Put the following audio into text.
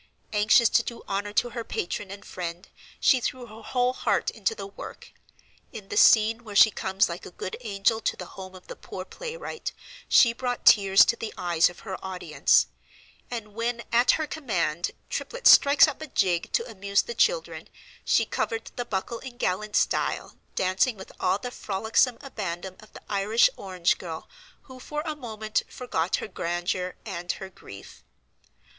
Anxious to do honor to her patron and friend she threw her whole heart into the work; in the scene where she comes like a good angel to the home of the poor play wright, she brought tears to the eyes of her audience; and when at her command Triplet strikes up a jig to amuse the children she "covered the buckle" in gallant style, dancing with all the frolicsome abandon of the Irish orange girl who for a moment forgot her grandeur and her grief.